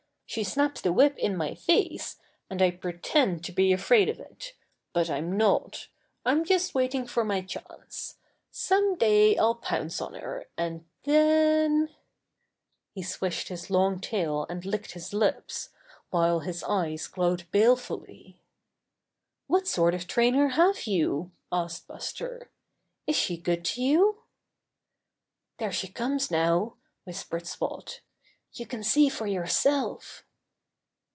She snaps the whip in my face, and I pretend to be afraid of it. But I'm not I I'm just waiting my chance. Some day I'll pounce on her, and then —" He swished his long tail and licked his lips, while his eyes glowed balefully. 'What sort of a trainer have you?" asked Buster. "Is she good to you?" "There she comes now," whispered Spot. "You can see for yourself."